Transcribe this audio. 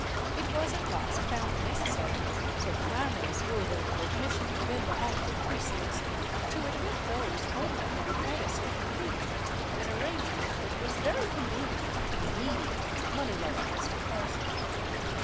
It was at last found necessary, so clamorous were they for admission within the haunted precincts, to admit those only who would pay a certain fee, an arrangement which was very convenient to the needy and money loving Mr. Parsons.